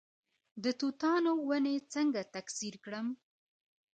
د توتانو ونې څنګه تکثیر کړم؟